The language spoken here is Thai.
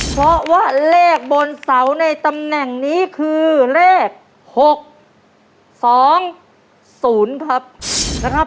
เพราะว่าเลขบนเสาในตำแหน่งนี้คือเลข๖๒๐ครับนะครับ